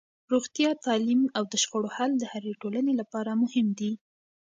روغتیا، تعلیم او د شخړو حل د هرې ټولنې لپاره مهم دي.